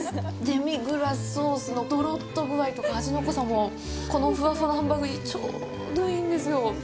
デミグラスソースのどろっと具合とか味の濃さもこのふわふわのハンバーグにちょうどいいんですよ。